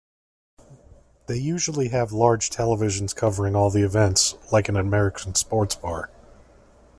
They usually have large televisions covering all the events, like an American sports bar.